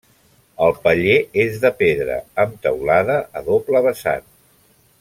El paller és de pedra amb teulada a doble vessant.